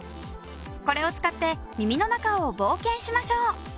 これを使って耳の中を冒険しましょう。